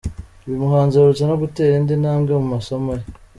Uyu muhanzi aherutse no gutera indi ntambwe mu masomo ye.